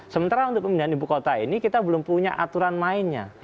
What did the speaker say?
sementara untuk pemindahan ibu kota ini kita belum punya aturan mainnya